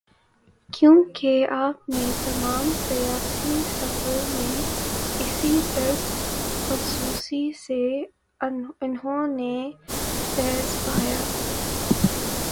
کیونکہ اپنے تمام سیاسی سفر میں اسی طب خصوصی سے انہوں نے فیض پایا۔